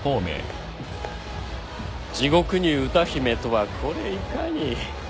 地獄に歌姫とはこれいかに。